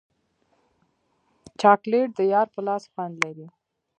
چاکلېټ د یار په لاس خوند لري.